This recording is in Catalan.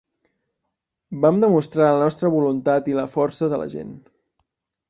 Vam demostrar la nostra voluntat i la força de la gent.